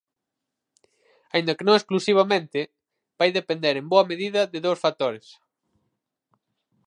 Aínda que non exclusivamente, vai depender en boa medida de dous factores.